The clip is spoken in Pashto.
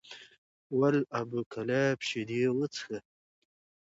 ول ابو کلاب شیدې وڅښه!